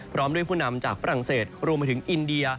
พร้อมด้วยผู้นำจากฝรั่งเศสรวมไปถึงอินเดีย